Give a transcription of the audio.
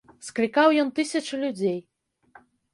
Склікаў ён тысячы людзей.